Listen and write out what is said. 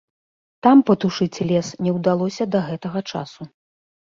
Там патушыць лес не ўдалося да гэтага часу.